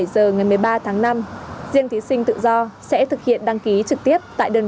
các thí sinh sẽ đăng ký